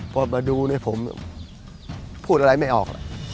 พอมาดูเนี่ยผมพูดอะไรไม่ออก